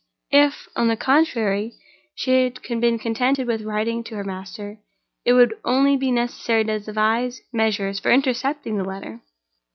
If, on the contrary, she had been contented with writing to her master, it would only be necessary to devise measures for intercepting the letter.